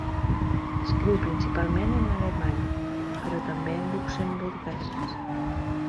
Escriu principalment en alemany però també en luxemburguès.